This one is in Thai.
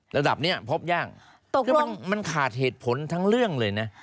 ระดับนี้พบยากคือมันขาดเหตุผลทั้งเรื่องเลยนะ